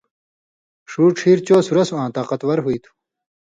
ݜُو ڇھیر چو سُرسوۡ آں طاقت ور ہُوئ تُھو۔